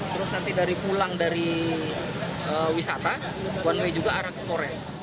terus nanti dari pulang dari wisata one way juga arah ke kores